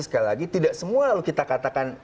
sekali lagi tidak semua lalu kita katakan